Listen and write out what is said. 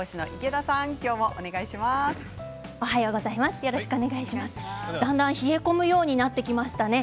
だんだん冷え込むようになってきましたね。